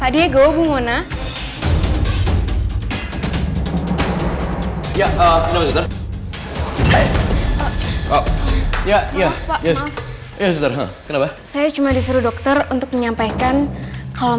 pada ego bung mona ya ya ya ya saya cuma disuruh dokter untuk menyampaikan kalau